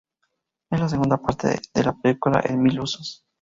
Es la segunda parte de la película "El mil usos".